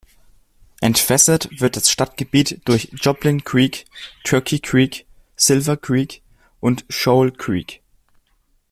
Entwässert wird das Stadtgebiet durch Joplin Creek, Turkey Creek, Silver Creek und Shoal Creek.